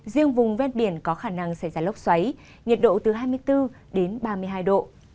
riêng vùng ven biển có khả năng xảy ra lốc xoáy nhiệt độ từ hai mươi bốn đến ba mươi hai độ